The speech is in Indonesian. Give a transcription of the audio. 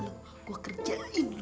bisa supports ya karirnya